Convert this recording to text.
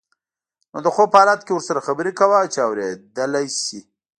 نو د خوب په حالت کې ورسره خبرې کوه چې اوریدلی شي.